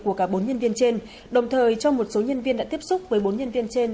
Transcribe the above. của cả bốn nhân viên trên đồng thời cho một số nhân viên đã tiếp xúc với bốn nhân viên trên